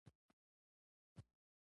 دوی د اورګاډي پټلۍ ډېرې پراخې کړې.